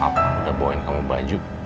apa udah bawain kamu baju